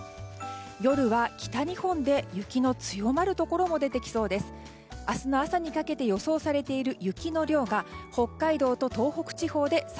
夜は北日本で雪の強まるところも出てきそうです。